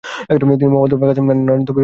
তিনি মুহাম্মদ কাসেম নানুতুবির অনুসারি ছিলেন।